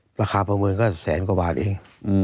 ประเมินก็แสนกว่าบาทเอง